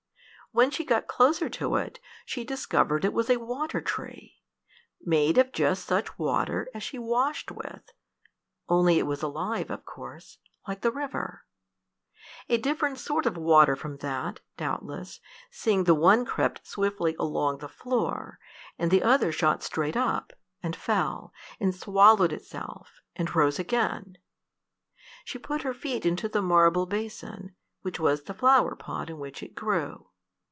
When she got close to it, she discovered it was a water tree made of just such water as she washed with, only it was alive, of course, like the river a different sort of water from that, doubtless, seeing the one crept swiftly along the floor, and the other shot straight up, and fell, and swallowed itself, and rose again. She put her feet into the marble basin, which was the flower pot in which it grew.